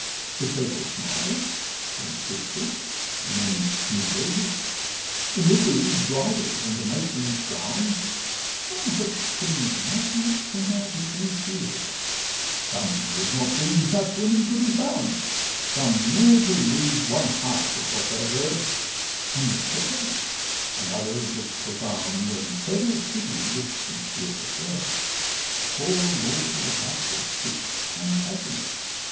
The circle smiled, then whisper'd, and then sneer'd; The Misses bridled, and the matrons frown'd; Some hoped things might not turn out as they fear'd; Some would not deem such women could be found; Some ne'er believed one half of what they heard; Some look'd perplex'd, and others look'd profound; And several pitied with sincere regret Poor Lord Augustus Fitz Plantagenet.